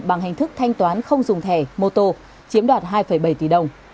bằng hành thức thanh toán không dùng thẻ moto chiếm đoạt hai bảy tỷ đồng